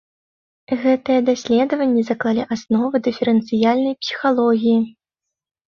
Гэтыя даследаванні заклалі асновы дыферэнцыяльнай псіхалогіі.